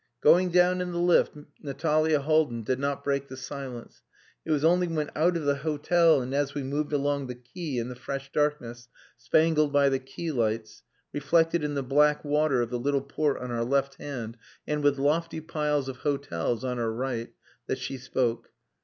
Going down in the lift, Natalia Haldin did not break the silence. It was only when out of the hotel and as we moved along the quay in the fresh darkness spangled by the quay lights, reflected in the black water of the little port on our left hand, and with lofty piles of hotels on our right, that she spoke.